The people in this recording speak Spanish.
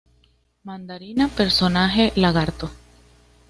Mandarina, personaje: Lagarto.